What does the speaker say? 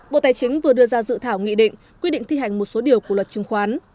bộ tài chính vừa đưa ra dự thảo nghị định quy định thi hành một số điều của luật chứng khoán